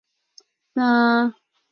出身于福冈县福冈市。